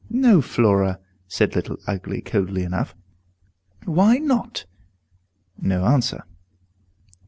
"No, Flora," said Little Ugly, coldly enough. "Why not?" No answer.